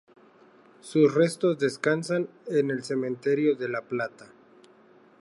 Sus restos descansan en el "Cementerio de La Plata".